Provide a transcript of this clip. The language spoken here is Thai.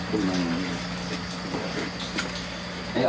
พร้อมทุกสิทธิ์